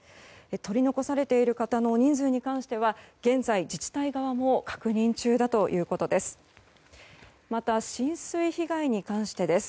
取り残されている方の人数に関しては現在、自治体側も確認中だということです。